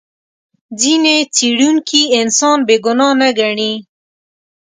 ځینې څېړونکي انسان بې ګناه نه ګڼي.